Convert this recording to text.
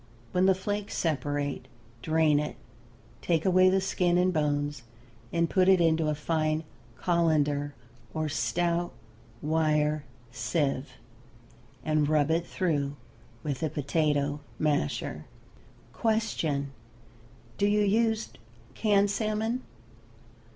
When the flakes separate drain it, take away the skin and bones and put it into a fine colander or stout wire sieve, and rub it through with a potato masher. Question. Do you use canned salmon?